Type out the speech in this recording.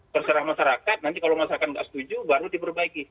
terserah masyarakat nanti kalau masyarakat nggak setuju baru diperbaiki